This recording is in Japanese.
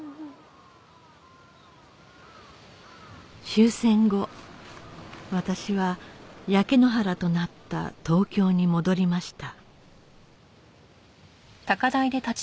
終戦後私は焼け野原となった東京に戻りました